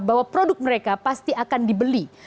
bahwa produk mereka pasti akan dibeli